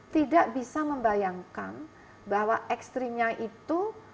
tidak bisa membayangkan bahwa ekstrimnya itu